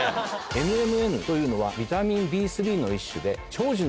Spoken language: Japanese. ＮＭＮというのはビタミンＢ３の一種で。